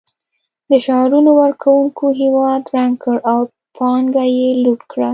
د شعارونو ورکونکو هېواد ړنګ کړ او پانګه یې لوټ کړه